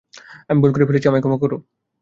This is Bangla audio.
আমি ভুল করে ফেলেছি, আমায় ক্ষমা করো।